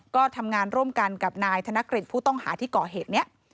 ก็ทำงานร่วมกันกับนายธนกฤษผู้ต้องหาที่ก่อเหตุนี้